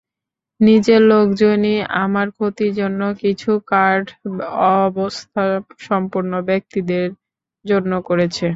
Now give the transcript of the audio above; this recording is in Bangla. নিজের লোকজনই আমার ক্ষতির জন্য কিছু কার্ড অবস্থাসম্পন্ন ব্যক্তিদের জন্য করেছে।